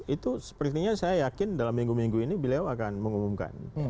itu sepertinya saya yakin dalam minggu minggu ini beliau akan mengumumkan